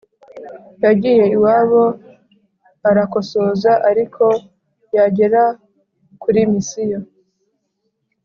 Yagiye iwabo arakosoza ariko yagera kuri misiyo